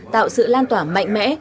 tạo sự lan tỏa mạnh mẽ